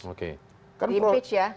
oke diimpej ya